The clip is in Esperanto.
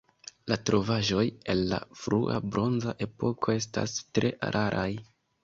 La trovaĵoj el la frua bronza epoko estas tre raraj.